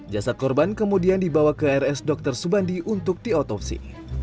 jasad korban kemudian dibawa ke rs dr subandi untuk diotopsi